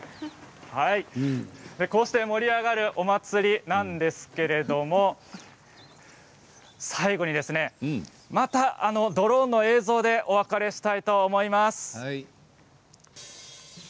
こうして盛り上がるお祭りなんですけれども最後にまたドローンの映像でお別れしたいと思います。